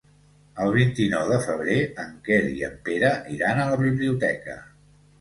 El vint-i-nou de febrer en Quer i en Pere iran a la biblioteca.